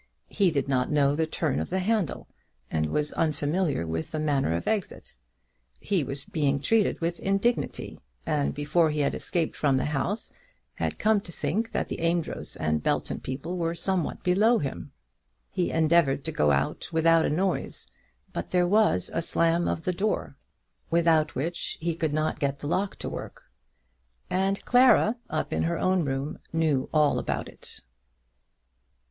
He did not know the turn of the handle, and was unfamiliar with the manner of exit. He was being treated with indignity, and before he had escaped from the house had come to think that the Amedroz and Belton people were somewhat below him. He endeavoured to go out without a noise, but there was a slam of the door, without which he could not get the lock to work; and Clara, up in her own room, knew all about it.